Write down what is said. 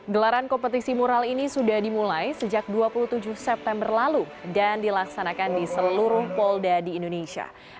gelaran kompetisi mural ini sudah dimulai sejak dua puluh tujuh september lalu dan dilaksanakan di seluruh polda di indonesia